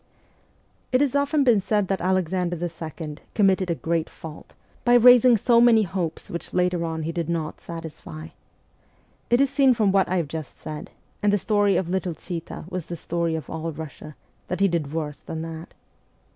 It has often been said that Alexander II. committed a great fault, and brought about his own ruin, by rais ing so many hopes which later on he did not satisfy. It is seen from what I have just said and the story of little Chita was the story of all Kussia that he did worse than that.